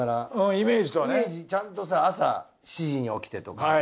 イメージちゃんと朝７時に起きてとか。